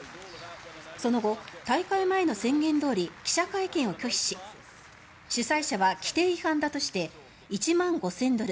その後、大会前の宣言どおり記者会見を拒否し主催者は規定違反だとして１万５０００ドル